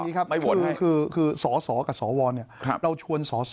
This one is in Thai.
ที่หมายถึงคือสอสอกับสอวร